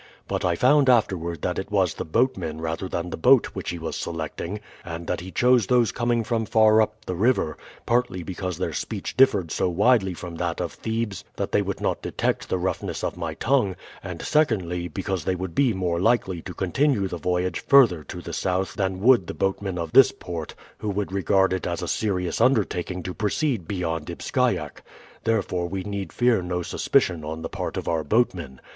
But I found afterward that it was the boatmen rather than the boat which he was selecting, and that he chose those coming from far up the river, partly because their speech differed so widely from that of Thebes that they would not detect the roughness of my tongue; and secondly, because they would be more likely to continue the voyage further to the south than would the boatmen of this port, who would regard it as a serious undertaking to proceed beyond Ibsciak. Therefore we need fear no suspicion on the part of our boatmen.